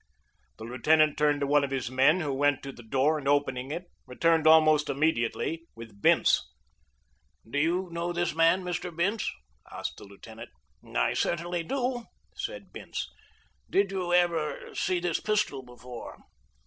The lieutenant turned to one of his men, who went to the door, and, opening it, returned almost immediately with Bince. "Do you know this man, Mr. Bince?" asked the lieutenant. "I certainly do," said Bince. "Did you ever see this pistol before?"